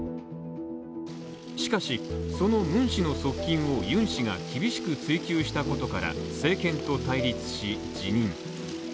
しかし、そのムン氏の側近をユン氏が厳しく追及したことから政権と対立し、辞任。